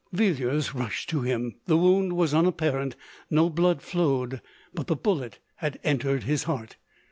Villiers rushed to him : the wound was unapparent — no blood flowed, but the bullet had entered his heart.